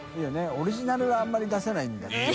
オリジナルはあんまり出せないんだっていうね。